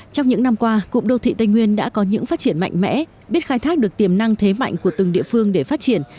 trong những năm qua cụm đô thị tây nguyên đã có những phát triển mạnh mẽ biết khai thác được tiềm năng thế mạnh của từng địa phương để phát triển